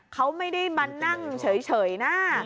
เขาไม่ได้มานั่งเฉยนะ